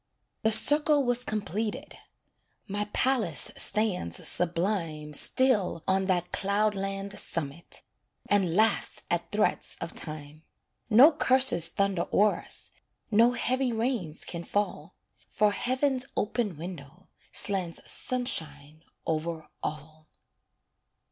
The circle was completed My palace stands sublime Still on that cloudland summit, And laughs at threats of Time. No curses thunder o'er us, No heavy rains can fall; For heaven's open window Slants sunshine over all.